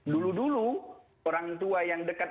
dulu dulu orang tua yang dekat